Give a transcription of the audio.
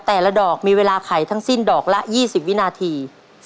แต่ละดอกมีเวลาไขทั้งสิ้นดอกละ๒๐วินาที